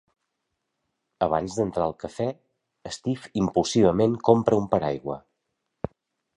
Abans d'entrar al cafè, Steve impulsivament compra un paraigua.